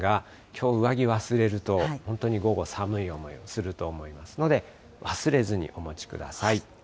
きょう、上着忘れると、本当に午後、寒い思いをすると思いますので、忘れずにお持ちください。